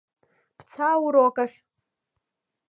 Бца аурок ахь…